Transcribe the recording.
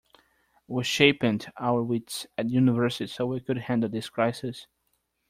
We sharpened our wits at university so we could handle this crisis.